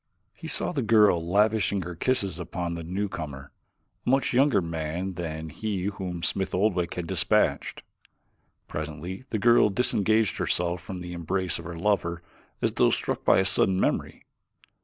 He saw the girl lavishing her kisses upon the newcomer, a much younger man than he whom Smith Oldwick had dispatched. Presently the girl disengaged herself from the embrace of her lover as though struck by a sudden memory.